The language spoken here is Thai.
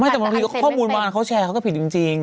แต่บางทีข้อมูลวานเขาแชร์เขาก็ผิดจริง